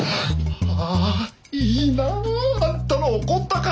ああいいなあんたの怒った顔。